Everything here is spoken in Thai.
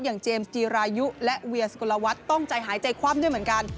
อย่างเจมส์ทีรายุและเวียสุโกนาวัตต์ต้องใจหายใจความด้วยเหมือนกัน